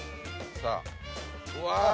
さあうわぁ。